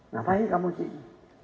ngapain kamu disini